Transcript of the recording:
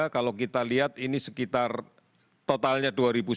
kalau kita lihat ini sekitar totalnya dua sembilan puluh satu